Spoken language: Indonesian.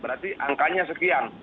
berarti angkanya sekian